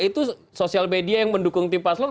itu sosial media yang mendukung tim paslon